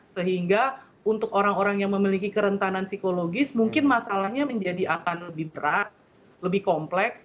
sehingga untuk orang orang yang memiliki kerentanan psikologis mungkin masalahnya menjadi akan lebih berat lebih kompleks